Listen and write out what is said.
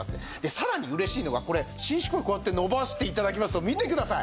さらに嬉しいのがこれ伸縮こうやって伸ばして頂きますと見てください。